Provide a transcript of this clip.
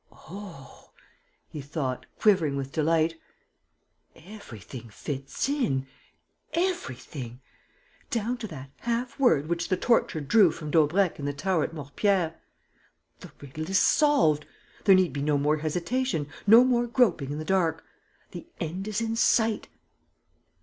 "Oh," he thought, quivering with delight, "everything fits in! Everything!... Down to that half word which the torture drew from Daubrecq in the tower at Mortepierre! The riddle is solved. There need be no more hesitation, no more groping in the dark. The end is in sight."